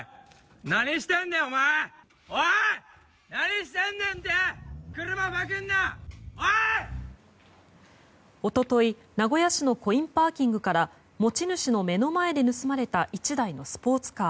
一昨日、名古屋市のコインパーキングから持ち主の目の間で盗まれた１台のスポーツカー。